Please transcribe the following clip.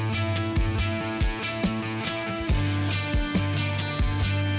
mas pesan nasi gorengnya satin